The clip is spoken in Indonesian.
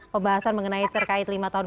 pembahasan mengenai terkait lima tahun